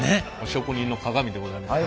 職人のかがみでございます。